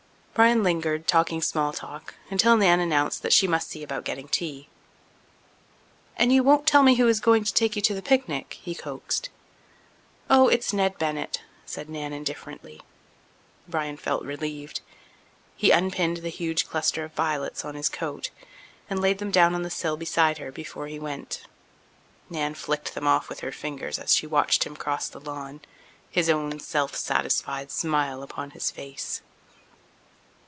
Bryan lingered, talking small talk, until Nan announced that she must see about getting tea. "And you won't tell me who is going to take you to the picnic?" he coaxed. "Oh, it's Ned Bennett," said Nan indifferently. Bryan felt relieved. He unpinned the huge cluster of violets on his coat and laid them down on the sill beside her before he went. Nan flicked them off with her fingers as she watched him cross the lawn, his own self satisfied smile upon his face.